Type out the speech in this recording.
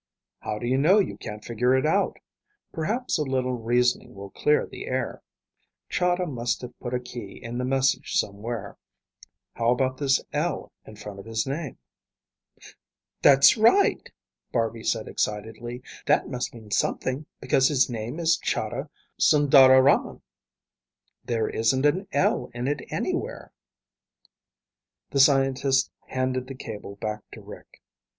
"How do you know you can't figure it out? Perhaps a little reasoning will clear the air. Chahda must have put a key in the message somewhere. How about this 'L' in front of his name?" "That's right," Barby said excitedly. "That must mean something, because his name is Chahda Sundararaman. There isn't an L in it anywhere." The scientist handed the cable back to Rick.